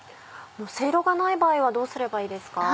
セイロがない場合はどうすればいいですか？